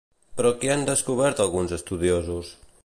Però què han descobert alguns estudiosos?